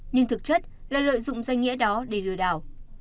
nhưng thực chất là lợi dụng danh nghĩa đó để lừa đảo